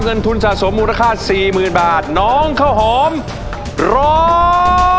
เงินทุนสะสมมูลค่าสี่หมื่นบาทน้องข้าวหอมร้อง